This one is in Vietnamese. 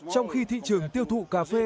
trong khi thị trường tiêu thụ cà phê